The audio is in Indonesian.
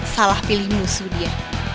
salah pilih musuh dia